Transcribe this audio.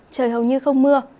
trời hầu như không mưa